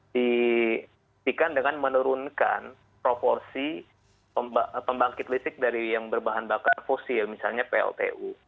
diberikan dengan menurunkan proporsi pembangkit listrik dari yang berbahan bakar fosil misalnya pltu